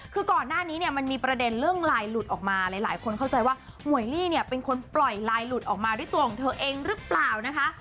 คือก่อนหน้านี้เนี่ยมันมีประเด็นเรื่องลายหลุดออกมาหลายคนเข้าใจว่าหมวยลี่เนี่ยเป็นคนปล่อยไลน์หลุดออกมาด้วยตัวของเธอเองหรือเปล่านะคะ